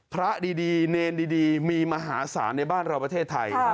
พระดีเนรดีมีมหาศาลในบ้านเราประเทศไทย